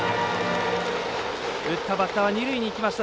打ったバッターは二塁にいきました。